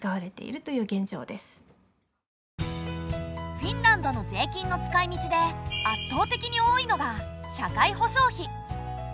フィンランドの税金の使いみちで圧倒的に多いのが社会保障費。